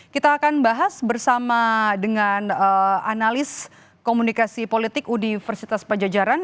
kita akan bahas bersama dengan analis komunikasi politik universitas pajajaran